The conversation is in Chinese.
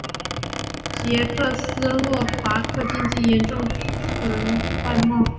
捷克斯洛伐克经济严重依存外贸。